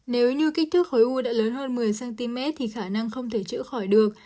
nếu như kích thước khối u đã lớn hơn một mươi cm thì khả năng không thể chữa khỏi được